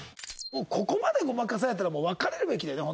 ここまでごまかされたらもう別れるべきだよね